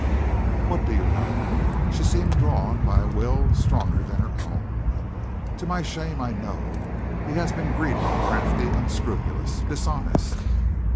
"What do you know?" She seemed drawn by a will stronger than her own. "To my shame I know. He has been greedy, crafty, unscrupulous dishonest."